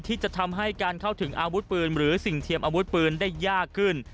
ที่จะทำให้การเข้าถึงอาวุธปืนหรือสิ่งเทียมอาวุธปืนได้ยากขึ้น